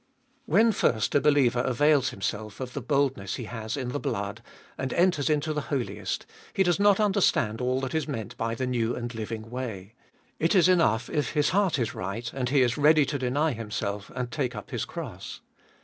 1. When first a believer avails himself of the boldness He has in the blood, and enters into the Holiest, he does not understand all that is meant by the new and living way. It is enough if his heart is right, and he is ready to deny himself and take up his cross.